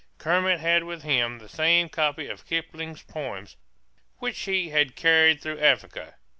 Kermit had with him the same copy of Kipling's poems which he had carried through Africa.